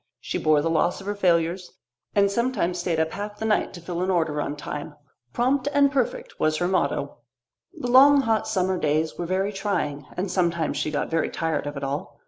She bore the loss of her failures, and sometimes stayed up half of the night to fill an order on time. "Prompt and perfect" was her motto. The long hot summer days were very trying, and sometimes she got very tired of it all.